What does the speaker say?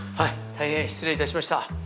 大変失礼いたしました。